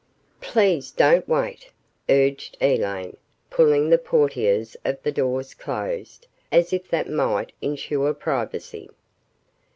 "Please don't wait," urged Elaine, pulling the portieres of the doors closer, as if that might insure privacy.